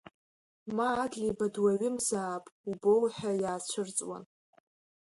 Ма Адлеиба дуаҩымзаап убоу ҳәа иаацәырҵуан.